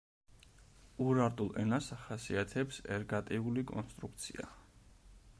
ურარტულ ენას ახასიათებს ერგატიული კონსტრუქცია.